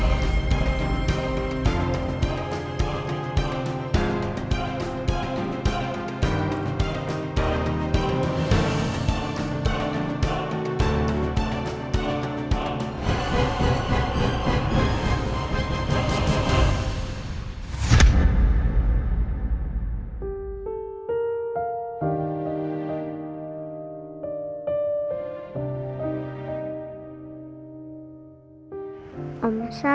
dan sudah kecilkan